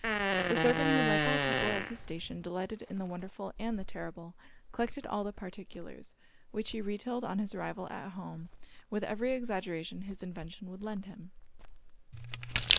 The servant, who like all people of his station delighted in the wonderful and the terrible, collected all the particulars; which he retailed on his arrival at home, with every exaggeration his invention would lend him.